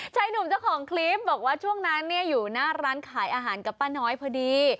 ชายหนุ่มเจ้าของคลิปบอกว่าช่วงนั้นอยู่หน้าร้านขายอาหารกับป้าน้อยพอดี